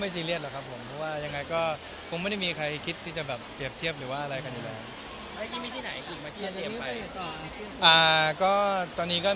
จนได้เมื่อไหร่